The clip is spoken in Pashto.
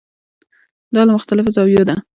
دا له مختلفو زاویو ده.